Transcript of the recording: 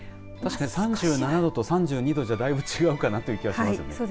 ３７度と３２度じゃだいぶ違うかなという気もしますよね。